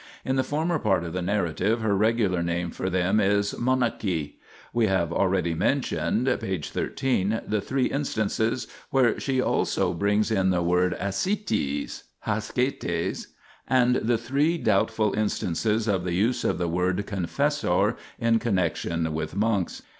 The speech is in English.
In the former part of the narra tive her regular name for them is monachi. We have already mentioned (p. xiii) the three instances, where she also brings in the word ascitis (aoxr)Tr)<;) and the three doubtful instances of the use of the word " confessor " in connexion with monks.